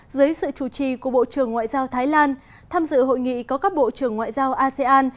dưới sự chủ trì của bộ trưởng ngoại giao thái lan tham dự hội nghị có các bộ trưởng ngoại giao asean